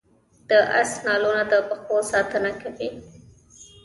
د اس نالونه د پښو ساتنه کوي